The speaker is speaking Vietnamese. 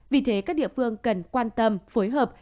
vì thế các địa phương cần quan tâm phối hợp